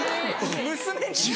娘に。